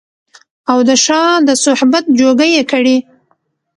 او د شاه د صحبت جوګه يې کړي